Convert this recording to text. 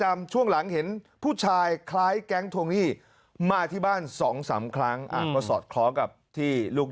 มองแม่ลูกคู่นี้ยังไง